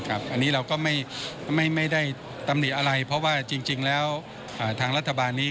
อันนี้เราก็ไม่ได้ตำหนิอะไรเพราะว่าจริงแล้วทางรัฐบาลนี้